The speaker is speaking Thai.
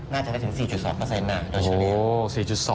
น่าจะได้ถึง๔๒หน้าโดยชีวิต